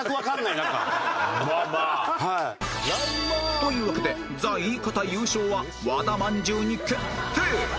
というわけで ＴＨＥ イイカタ優勝は和田まんじゅうに決定